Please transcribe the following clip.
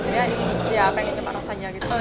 jadi ya pengen nyoba rasanya gitu